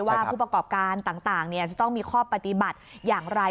ผู้ประกอบการต่างจะต้องมีข้อปฏิบัติอย่างไร